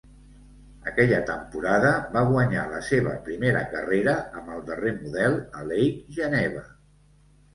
Aquella temporada va guanyar la seva primera carrera amb el darrer model a Lake Geneva.